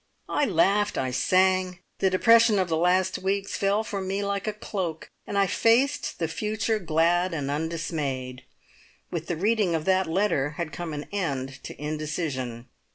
I laughed; I sang; the depression of the last weeks fell from me like a cloak, and I faced the future glad and undismayed. With the reading of that letter had come an end to indecision.